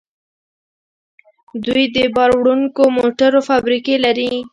دوی د بار وړونکو موټرو فابریکې لري.